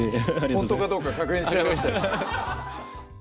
ほんとかどうか確認しちゃいました